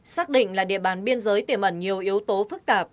xác định là địa bàn biên giới tiềm ẩn nhiều yếu tố phức tạp